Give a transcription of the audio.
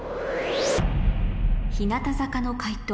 日向坂の解答